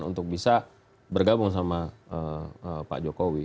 untuk bisa bergabung sama pak jokowi